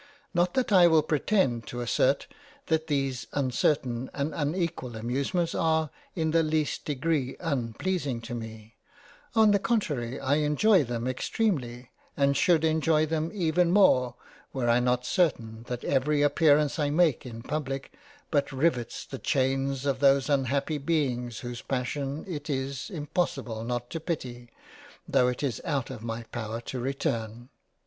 Not that I will pretend to assert that these uncertain and unequal Amusements are in the least Degree unpleasing to me ; on the contrary I enjoy them extremely and should enjoy them even more, were I not certain that every appearance I make in Public but rivetts the Chains of those unhappy Beings whose Passion it is impossible not to pity, tho* it is out of my power to return.